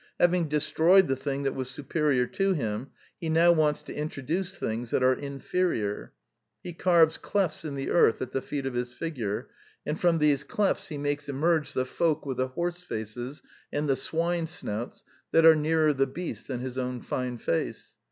Having destroyed the thing that was su perior to him, he now wants to introduce things that are inferior. He carves clefts in the earth at the feet of his figure, and from these clefts he The Last Four Plays 179 makes emerge the folk with the horse faces and the swine snouts that are nearer the beast than his own fine face.